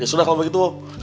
ya sudah kalau begitu om